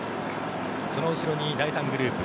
その後ろに第３グループ。